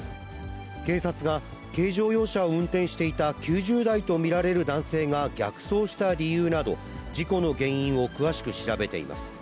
警察が、軽乗用車を運転していた９０代と見られる男性が逆走した理由など、事故の原因を詳しく調べています。